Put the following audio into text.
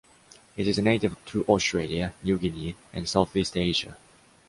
It is native to Australia, New Guinea, and Southeast Asia.